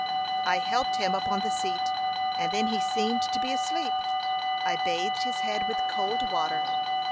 I helped him upon the seat, and then he seemed to be asleep. I bathed his head with cold water.